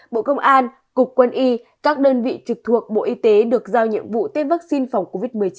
bộ công an cục quân y các đơn vị trực thuộc bộ y tế được giao nhiệm vụ tiêm vaccine phòng covid một mươi chín